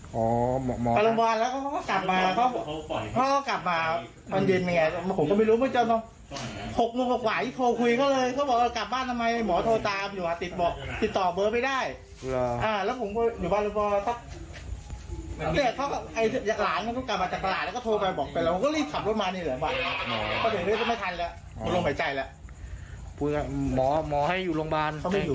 หมอให้อยู่โรงพยาบาลเขาไม่อยู่เขาไม่อยู่